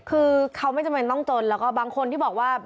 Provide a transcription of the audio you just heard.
คือเขาไม่จำเป็นต้องจนแล้วก็บางคนที่บอกว่า